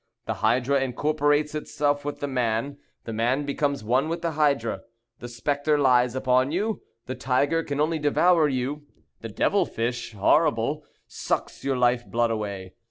The hydra incorporates itself with the man; the man becomes one with the hydra. The spectre lies upon you; the tiger can only devour you; the devil fish, horrible, sucks your life blood away.